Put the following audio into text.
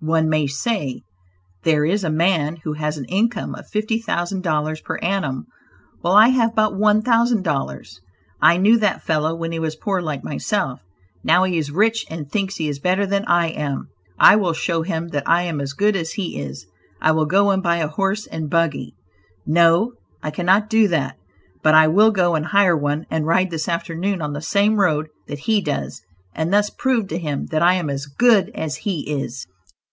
One may say; "there is a man who has an income of fifty thousand dollars per annum, while I have but one thousand dollars; I knew that fellow when he was poor like myself; now he is rich and thinks he is better than I am; I will show him that I am as good as he is; I will go and buy a horse and buggy; no, I cannot do that, but I will go and hire one and ride this afternoon on the same road that he does, and thus prove to him that I am as good as he is."